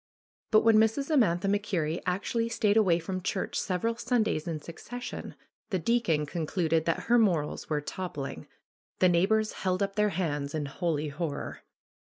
But when Mrs. Amantha MacKerrie actually stayed away from church several Sundays in succession the deacon concluded that her morals were toppling. The neighbors held up their hands in holy horror.